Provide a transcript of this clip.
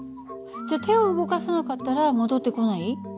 じゃあ手を動かさなかったら戻ってこない？